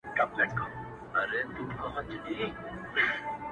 o هله به اور د اوبو غاړه کي لاسونه تاؤ کړي،